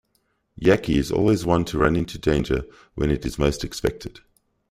Yakky is always one to run into danger when it is most expected.